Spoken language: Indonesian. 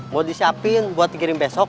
mau disiapin buat dikirim besok